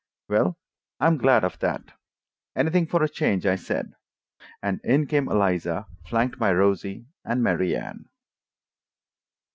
"Well, I'm glad of that—anything for a change," I said. And in came Eliza, flanked by Rosie and Mary Anne.